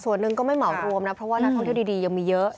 ส่วนหนึ่งก็ไม่เหมารวมนะเพราะว่านักท่องเที่ยวดียังมีเยอะ